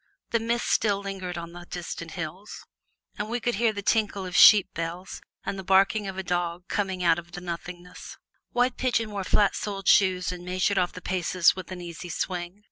The mist still lingered on the distant hills, and we could hear the tinkle of sheep bells and the barking of a dog coming out of the nothingness. White Pigeon wore flat soled shoes and measured off the paces with an easy swing.